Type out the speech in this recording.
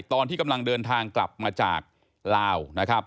ตอนที่กำลังเดินทางกลับมาจากลาวนะครับ